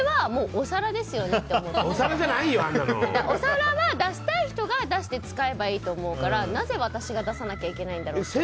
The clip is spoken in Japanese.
お皿は出したい人が出して使えばいいと思うからなぜ私が出さなきゃいけないんだろう。